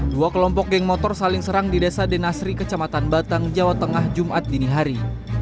dua kelompok geng motor saling serang di desa denasri kecamatan batang jawa tengah jumat dini hari